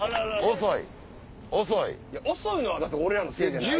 遅いのは俺らのせいじゃない。